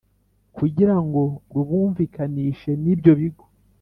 kugira ngo rubumvikanishe n ibyo Bigo